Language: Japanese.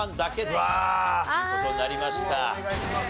お願いします。